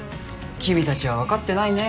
君たちは分かってないね